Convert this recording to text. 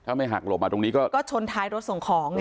ถ้าไม่หักหลบมาตรงนี้ก็ชนท้ายรถส่งของไง